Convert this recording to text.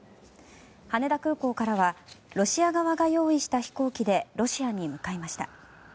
羽田空港からはロシア側が用意した飛行機でロシアに向かいました。